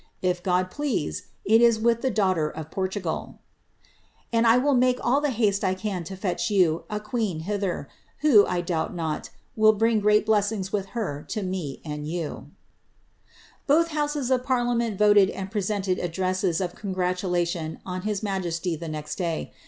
If God please, it is with the >f Portugal. ••• And I will make all the haste I can to fetch you a her, who, I doubt not, will bring great ble8«!ings with her to mo and louses of parliament voted and presented addresses of congratu his majesty the next day.